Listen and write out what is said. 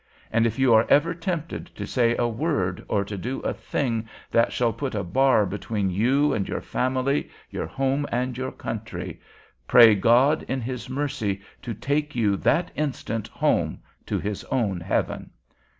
And if you are ever tempted to say a word, or to do a thing that shall put a bar between you and your family, your home, and your country, pray God in His mercy to take you that instant home to His own heaven.